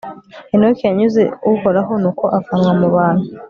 henoki yanyuze uhoraho, nuko avanwa mu bantu